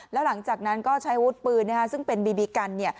แล้วหลังจากนั้นก็ใช้วุฒิปืนซึ่งเป็นบีบีกันเนี่ย